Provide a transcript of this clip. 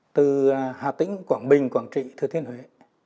từ hà tĩnh quảng bình quảng trị thừa thiên huế